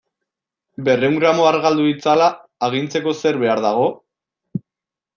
Berrehun gramo argaldu ditzala agintzeko zer behar dago?